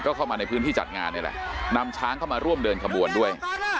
เข้ามาในพื้นที่จัดงานนี่แหละนำช้างเข้ามาร่วมเดินขบวนด้วย